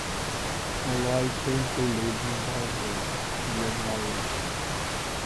Molloy currently lives in Bawburgh, near Norwich.